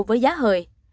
với giá hời